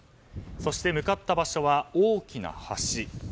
そして向かった場所は大きな橋。